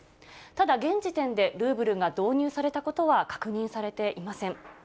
ただ、現時点でルーブルが導入されたことは確認されていません。